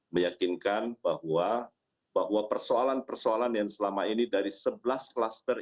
meyakinkan bahwa persoalan persoalan yang selama ini dari sebelas klaster